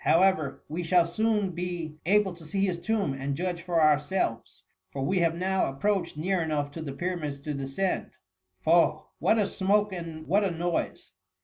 However, we shall soon be able to see his tomb, and judge for ourselves; for we have now approached near enough to the Pyramids to descend. Fob ! what a smoke and what a noise